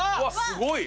すごい。